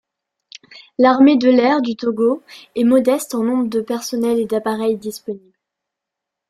L'Armée de l'air du Togo est modeste en nombre de personnels et d'appareils disponibles.